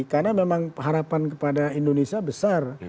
karena memang harapan kepada indonesia besar